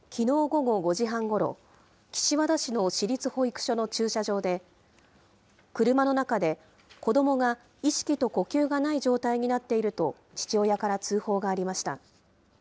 午後５時半ごろ、岸和田市の市立保育所の駐車場で、車の中で子どもが意識と呼吸がない状態になっていると父親から通報がありました。